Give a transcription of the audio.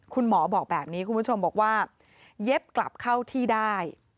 คุณหมอบอกแบบนี้คุณผู้ชมบอกว่าเย็บกลับเข้าที่ได้